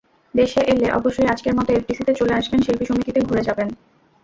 দেশে এলে অবশ্যই আজকের মতো এফডিসিতে চলে আসবেন, শিল্পী সমিতিতে ঘুরে যাবেন।